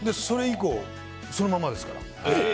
それ以降、そのままですから。